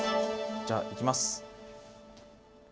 じゃあ、いきます。